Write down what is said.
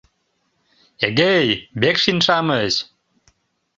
Эгей, векшин-шамыч!